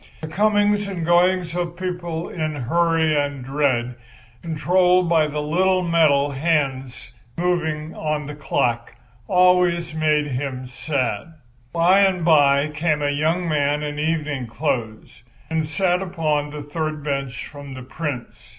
The comings and goings of people in hurry and dread, controlled by the little metal moving hands of a clock, always made him sad. By and by came a young man in evening clothes and sat upon the third bench from the Prince.